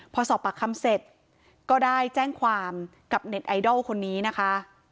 พอสอบปากคำเสร็จก็ได้แจ้งความกับเน็ตไอดอลคนนี้นะคะ